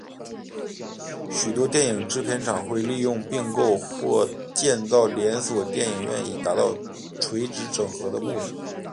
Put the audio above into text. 许多电影制片厂会利用并购或建造连锁电影院以达到垂直整合的目的。